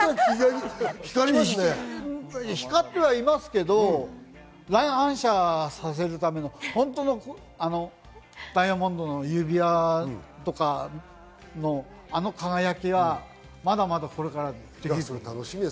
光ってはいますけど、乱反射させるための本当のダイヤモンドの指輪とか、あの輝きはまだまだこれからです。